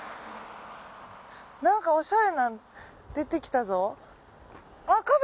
なんかおしゃれな出てきたぞ。